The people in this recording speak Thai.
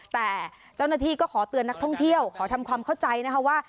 แต่เจ้าหน้าที่ก็ขอเตือนนักท่องเที่ยวขอทำความเข้าใจนะคะว่า